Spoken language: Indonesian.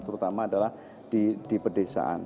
terutama adalah di pedesaan